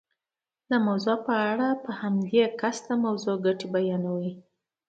د موضوع په اړه په همدې کس د موضوع ګټې بیانوئ.